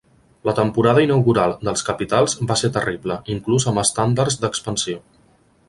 La temporada inaugural dels Capitals va ser terrible, inclús amb estàndards d'expansió.